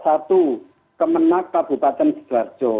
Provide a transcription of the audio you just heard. satu kemenang kabupaten siderjo